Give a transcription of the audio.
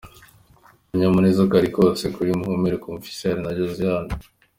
Akanyamuneza kari kose kuri Muhumure Confiance na Josiane .